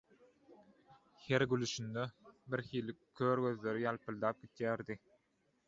Her gülüşünde birhili kör gözleri ýalpyldap gidýärdi.